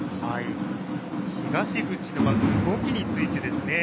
東口の動きについてですね。